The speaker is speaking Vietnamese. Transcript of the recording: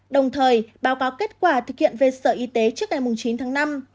đồng thời báo cáo kết quả thực hiện về sở y tế trước ngày chín tháng năm